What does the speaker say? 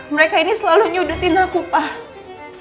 mereka ini selalu nyudutin aku pak